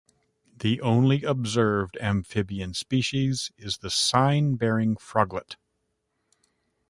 The only observed amphibian species is the sign-bearing froglet.